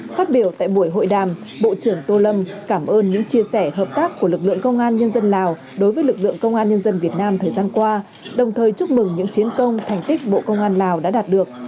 phát biểu tại buổi hội đàm bộ trưởng tô lâm cảm ơn những chia sẻ hợp tác của lực lượng công an nhân dân lào đối với lực lượng công an nhân dân việt nam thời gian qua đồng thời chúc mừng những chiến công thành tích bộ công an lào đã đạt được